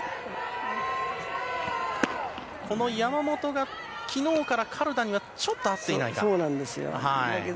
この山本が昨日からカルダにはちょっと合ってないか。